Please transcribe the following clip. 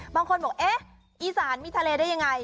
บางคนบอกเอ๊ะอีสานมีทะเลได้ยังไง